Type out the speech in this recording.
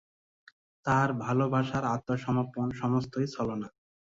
তাহার ভালো-বাসার আত্মসমর্পণ সমস্তই ছলনা!